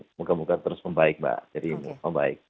semoga moga terus membaik mbak jadi membaik